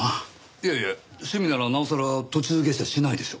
いやいや趣味ならなおさら途中下車しないでしょ。